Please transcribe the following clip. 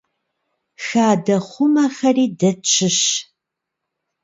Хадэхъумэхэри дэ тщыщщ.